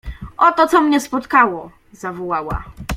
— Oto, co mnie spotkało! — zawołała.